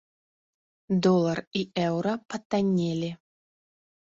Долар і еўра патаннелі.